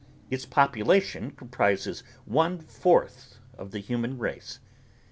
Its population comprises one fourth of the human race.